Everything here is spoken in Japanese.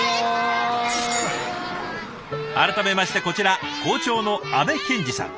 改めましてこちら校長の安部憲司さん。